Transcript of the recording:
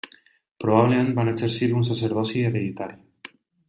Probablement van exercir un sacerdoci hereditari.